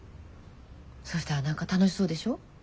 そしたら何か楽しそうでしょ。